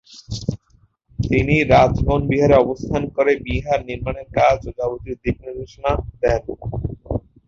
তিনি রাজবন বিহারে অবস্থান করে বিহার নির্মাণের কাজ ও যাবতীয় দিক-নির্দেশনা দেন।